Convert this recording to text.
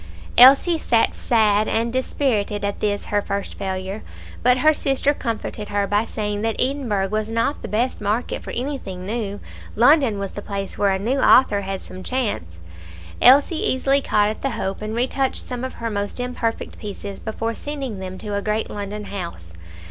Elsie sat sad and dispirited at this her first failure, but her sister comforted her by saying that Edinburgh was not the best market for anything new London was the place where a new author had some chance. Elsie easily caught at the hope, and retouched some of her most imperfect pieces before sending them to a great London house.